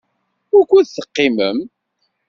Wukud teqqimem?